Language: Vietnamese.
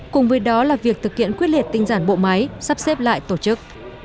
cùng với đó là việc thực hiện quyết liệt tinh giản bộ máy sắp xếp lại tổ chức